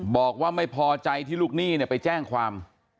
บอกว่าไม่พอใจที่ลูกหนี้ไปแจ้งความ